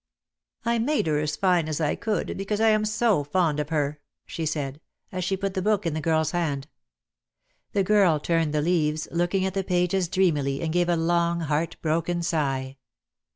"I made her as fine as I could, because I am so fond of her," she said, as she put the book in the girl's hand. ■... The girl turned the leaves, looking at the pages dreamily, and gave a long heart broken sigh.